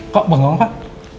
kok bangga pak